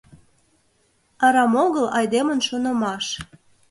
Арам огыл айдемын шонымаш.